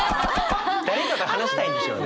誰かと話したいんでしょうね。